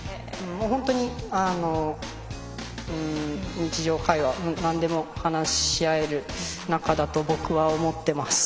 本当に日常会話なんでも話し合える仲だと僕は思ってます。